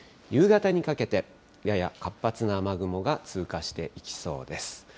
夕方にかけて、やや活発な雨雲が通過していきそうです。